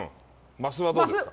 マスはどうですか。